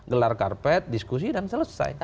gelar karpet diskusi dan selesai